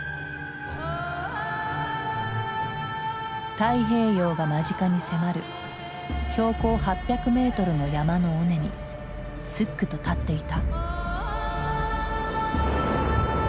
太平洋が間近に迫る標高８００メートルの山の尾根にすっくと立っていた。